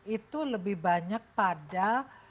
itu lebih banyak pada